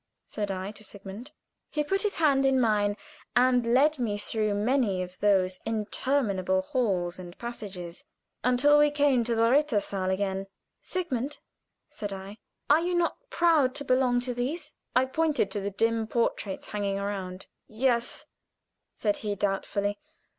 said I to Sigmund. He put his hand in mine, and led me through many of those interminable halls and passages until we came to the rittersaal again. "Sigmund," said I, "are you not proud to belong to these?" and I pointed to the dim portraits hanging around. "Yes," said he, doubtfully.